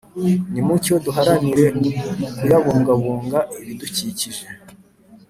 Nimucyo duharanire kuyabungabunga ibidukikije